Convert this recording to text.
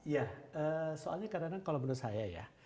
ya soalnya karena kalau menurut saya ya